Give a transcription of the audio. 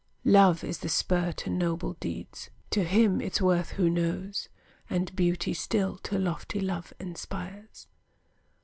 Love is the spur to noble deeds, To him its worth who knows; And beauty still to lofty love inspires.